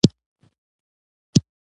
په اورنۍ ځمکه څملاست.